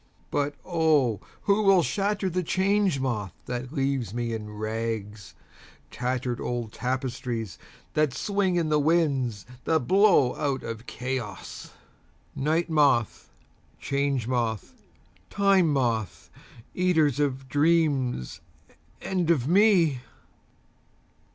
(But O who will shatter the Change Moth that leaves me in rags—tattered old tapestries that swing in the winds that blow out of Chaos!)Night Moth, Change Moth, Time Moth, eaters of dreams and of me!